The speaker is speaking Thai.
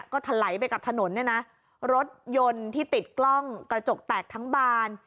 ก็ถลายไปกับถนนเนี่ยนะรถยนต์ที่ติดกล้องกระจกแตกทั้งบาน